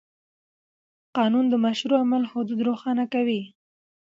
قانون د مشروع عمل حدود روښانه کوي.